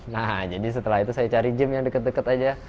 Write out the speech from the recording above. nah jadi setelah itu saya cari gym yang deket deket aja